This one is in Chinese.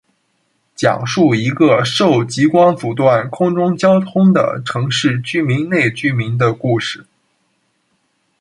讲述一个受极光阻断空中交通的城市内居民的故事。